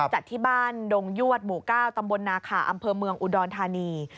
จัดที่บ้านดงยวดหมู่๙ตำบลนาขาอำเภอเมืองอุดรธานี